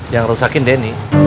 yang rusakin denny